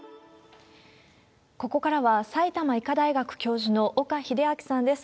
ここからは、埼玉医科大学教授の岡秀昭さんです。